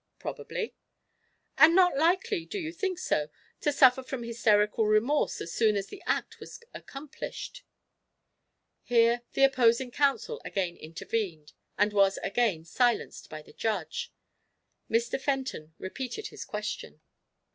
"Probably." "And not likely, do you think so? to suffer from hysterical remorse as soon as the act was accomplished?" Here the opposing counsel again intervened, and was again silenced by the Judge. Mr. Fenton repeated his question.